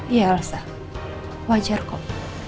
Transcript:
iya elsa wajar kok